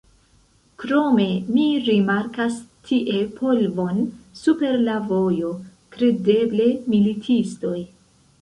Krome, mi rimarkas tie polvon super la vojo: kredeble, militistoj!